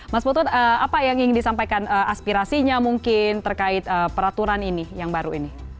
mas putut apa yang ingin disampaikan aspirasinya mungkin terkait peraturan ini yang baru ini